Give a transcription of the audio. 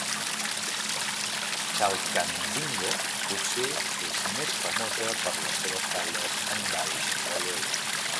Chalcatzingo potser és més famosa per les seves talles en baix relleu.